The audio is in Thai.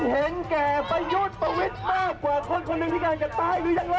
คุณเห็นแกยุดประวิทย์มากกว่าคนนึงที่การกระต้ายหรือยังเลย